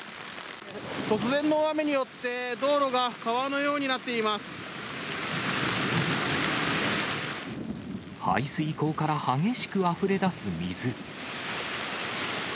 突然の大雨によって、道路が排水溝から激しくあふれ出す水。